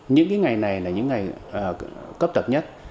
những ngày này là những ngày cấp tập nhất